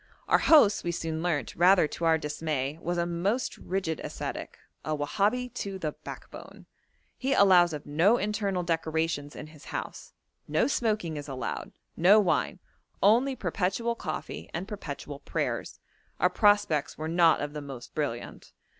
Our host, we soon learnt, rather to our dismay, was a most rigid ascetic a Wahabi to the backbone. He allows of no internal decorations in his house; no smoking is allowed, no wine, only perpetual coffee and perpetual prayers; our prospects were not of the most brilliant.